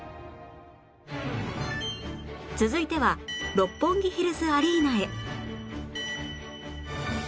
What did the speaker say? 続いては六本木ヒルズアリーナへ